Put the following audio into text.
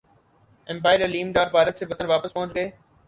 empire Aleem Dar Bharat سے وطن واپس پہنچ گئے